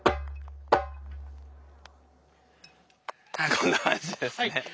こんな感じですね。